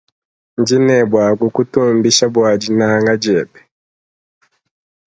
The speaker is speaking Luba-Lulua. Ndinebuwakukutumbisha bwa dinanga diebe.